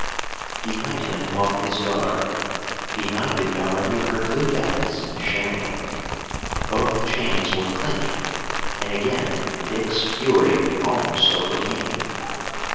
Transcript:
Behind him walked his guard: behind the guard he heard Luke Evans shambling. Both chains were clinking, and again Dick's fury almost overcame him.